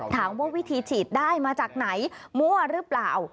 ถามว่าวิธีฉีดได้มาจากไหนมั่วหรือเปล่า